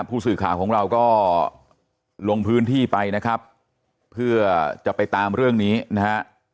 ผู้สื่อข่าวของเราก็ลงพื้นที่ไปนะครับเพื่อจะไปตามเรื่องนี้นะฮะ